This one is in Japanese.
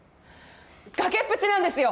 崖っぷちなんですよ！